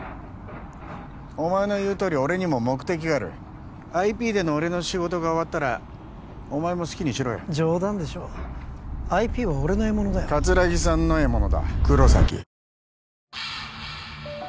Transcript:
お前の言うとおり俺にも目的があるＩＰでの俺の仕事が終わったらお前も好きにしろよ冗談でしょＩＰは俺の獲物だよ桂木さんの獲物だ黒崎